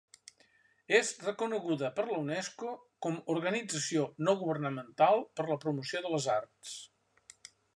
És reconeguda per la Unesco com Organització no governamental per la promoció de les arts.